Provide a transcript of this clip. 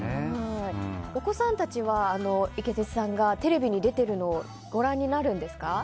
お子さんたちはイケテツさんがテレビに出ているのをご覧になるんですか？